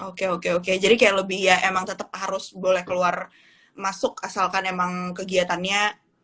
oke oke oke jadi kayak lebih ya emang tetap harus boleh keluar masuk asalkan emang kegiatannya